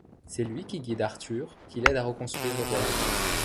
C'est lui qui guide Arthur, qui l'aide à reconstruire le royaume.